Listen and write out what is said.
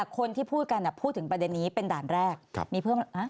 คนที่พูดกันพูดถึงประเด็นนี้เป็นด่านแรกมีเพิ่ม